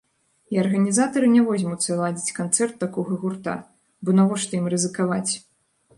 І арганізатары не возьмуцца ладзіць канцэрт такога гурта, бо навошта ім рызыкаваць.